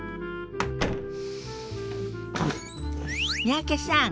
三宅さん